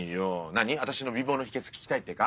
私の美貌の秘訣聞きたいってか？